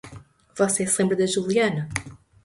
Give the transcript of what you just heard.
Você se lembra da Juliana?